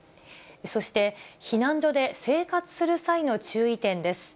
そして避難所で生活する際の注意点です。